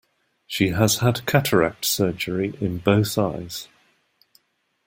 She has had cataract surgery in both eyes.